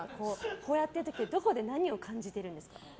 こうやってる時はどこで何を感じてるんですか。